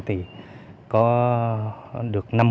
thì có được năm hộ đồng tình